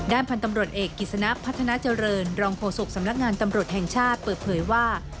พันธุ์ตำรวจเอกกิจสนะพัฒนาเจริญรองโฆษกสำนักงานตำรวจแห่งชาติเปิดเผยว่า